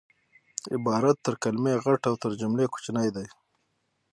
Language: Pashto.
عبارت تر کلیمې غټ او تر جملې کوچنی دئ